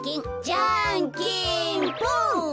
じゃんけんぽん！